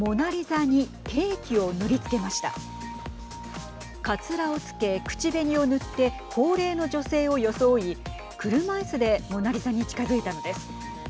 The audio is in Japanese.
かつらをつけ、口紅を塗って高齢の女性を装い車いすでモナリザに近づいたのです。